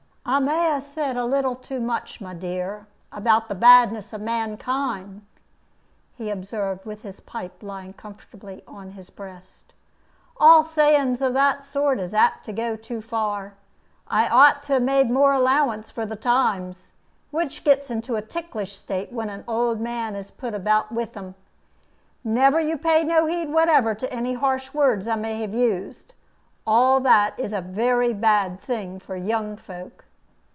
"I may 'a said a little too much, my dear, about the badness of mankind," he observed, with his pipe lying comfortably on his breast; "all sayings of that sort is apt to go too far. I ought to have made more allowance for the times, which gets into a ticklish state, when a old man is put about with them. Never you pay no heed whatever to any harsh words I may have used. All that is a very bad thing for young folk."